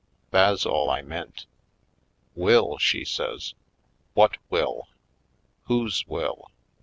Tha's all I meant." "Will!" she says. "What will? Whose will?